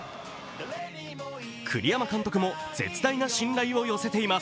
栗山監督も絶大な信頼を寄せています。